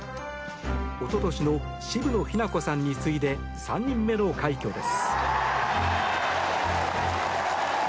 おととしの渋野日向子さんに次いで３人目の快挙です。